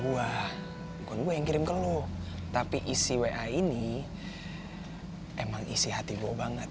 buah bukan gue yang kirim ke lo tapi isi wa ini emang isi hati gue banget